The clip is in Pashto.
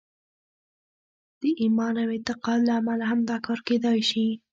د ایمان او اعتقاد له امله هم دا کار کېدای شي